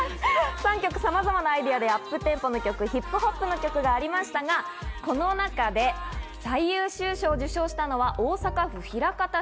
３曲、さまざまなアイデアでアップテンポな曲、ヒップホップな曲ありましたが、この中で最優秀賞を受賞したのは大阪府枚方市。